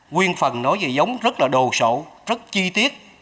nguyên phần nói về giống rất là đồ sổ rất chi tiết